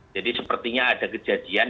jadi sepertinya ada kejadian